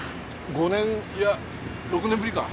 ５年いや６年ぶりか？